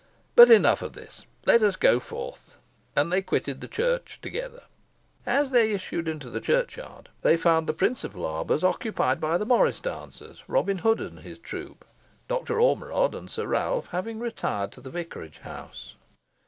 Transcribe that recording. But enough of this. Let us go forth." And they quitted the church together. As they issued into the churchyard, they found the principal arbours occupied by the morris dancers, Robin Hood and his troop, Doctor Ormerod and Sir Ralph having retired to the vicarage house.